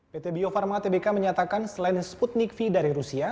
pt bio farma tbk menyatakan selain sputnik fee dari rusia